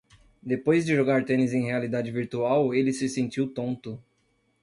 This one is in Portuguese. Depois de jogar tênis em realidade virtual, ele se sentiu tonto.